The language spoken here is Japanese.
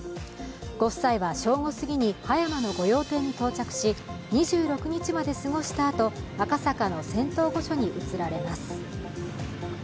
ご夫妻は正午すぎに葉山の御用邸に到着し２６日まで過ごしたあと、赤坂の仙洞御所に移られます。